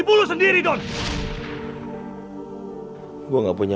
terus ini siap unfortunately